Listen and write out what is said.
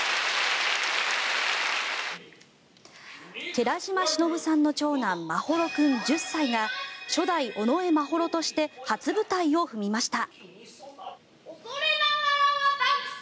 寺島しのぶさんの長男眞秀君、１０歳が初代尾上眞秀として初舞台を踏みました。